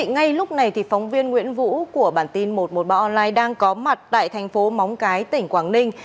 ngay lúc này phóng viên nguyễn vũ của bản tin một trăm một mươi ba online đang có mặt tại thành phố móng cái tỉnh quảng ninh